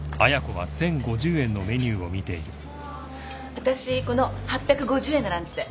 わたしこの８５０円のランチで。